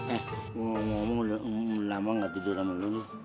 eh ngomong udah lama gak tidur sama lu lu